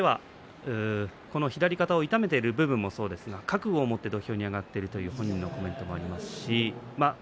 本人としては左肩を痛めている部分もそうですが覚悟を持って土俵に上がっているという話がありました。